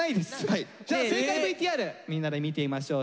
じゃあ正解ＶＴＲみんなで見てみましょう。